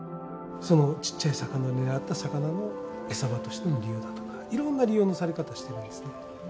ちっちゃい魚を狙った魚の餌場としての利用だとかいろんな利用のされ方してるんですね。